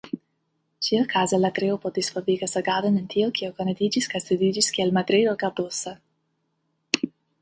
Ĉiuoakze la triopo disvolvigas agadon en tio kio konatiĝis kaj studiĝis kiel Madrido galdosa.